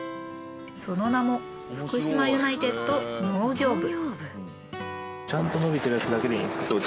その名も福島ユナイテッド農業部。